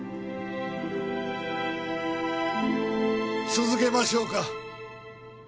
続けましょうか。